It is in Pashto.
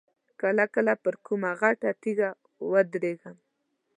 کله کله پر کومه غټه تیږه ودرېږم.